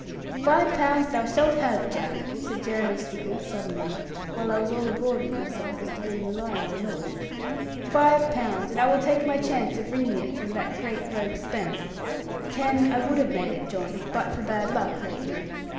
'Five pounds thou shalt have, Jack,' said Jeremy Stickles suddenly, while I was all abroad with myself as to being a liar or not; 'five pounds, and I will take my chance of wringing it from that great rogue Spank. Ten I would have made it, John, but for bad luck lately.